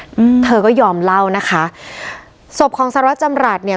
อืมเธอก็ยอมเล่านะคะศพของสารวัสจำรัฐเนี้ย